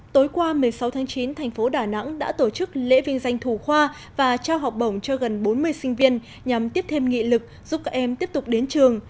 tối qua một mươi sáu tháng chín thành phố đà nẵng đã tổ chức lễ viên danh thủ khoa và trao học bổng cho gần bốn mươi sinh viên nhằm tiếp thêm nghị lực giúp các em tiếp tục đến trường